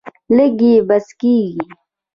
لږ یې بس کیږي.